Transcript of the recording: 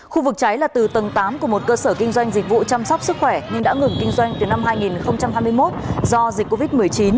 khu vực cháy là từ tầng tám của một cơ sở kinh doanh dịch vụ chăm sóc sức khỏe nhưng đã ngừng kinh doanh từ năm hai nghìn hai mươi một do dịch covid một mươi chín